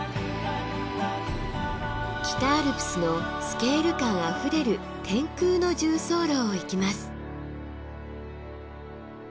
北アルプスのスケール感あふれる天空の縦走路を行きます。